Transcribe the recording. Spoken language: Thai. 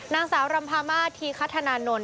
นางสาวรำพามาธีคธนานนท